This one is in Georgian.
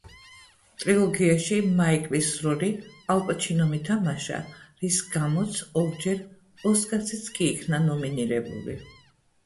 ტრილოგიაში მაიკლის როლი ალ პაჩინომ ითამაშა, რის გამოც ორჯერ ოსკარზეც კი იქნა ნომინირებული.